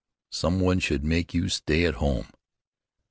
Some one should make you stay at home."